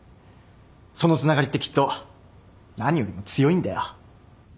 そのつながりってきっと何よりも強いんだよ。